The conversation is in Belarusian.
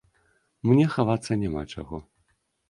Мне хавацца няма чаго.